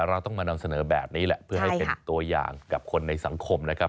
เราต้องมานำเสนอแบบนี้แหละเพื่อให้เป็นตัวอย่างกับคนในสังคมนะครับ